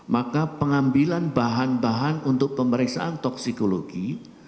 maka pengambilan bahan bahan untuk pemeriksaan toksikologi